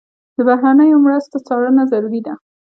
د بهرنیو مرستو څارنه ضروري ده.